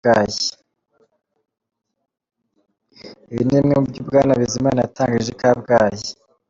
Ibi ni bimwe mu byo Bwana Bizimana yatangarije i Kabgayi.